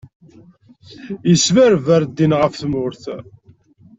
Isberber ddin ɣef tmurt.